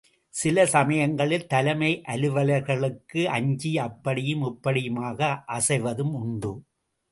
சில சமயங்களில், தலைமை அலுவலாளர்க்கு அஞ்சி அப்படியும் இப்படியுமாக அசைவதும் உண்டு.